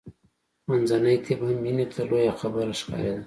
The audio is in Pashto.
منځنی طب هم مینې ته لویه خبره ښکارېده